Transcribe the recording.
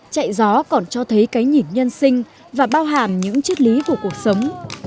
chạy gió còn cho thấy cái nhìn nhân sinh và bao hàm những chiếc lý của cuộc sống